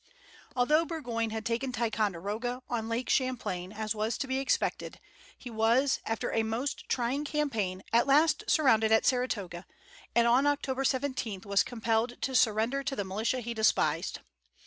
Although Burgoyne had taken Ticonderoga, on Lake Champlain, as was to be expected, he was, after a most trying campaign, at last surrounded at Saratoga, and on October 17 was compelled to surrender to the militia he despised.